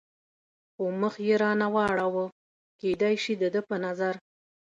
خو مخ یې را نه واړاوه، کېدای شي د ده په نظر.